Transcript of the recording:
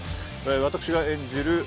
私が演じる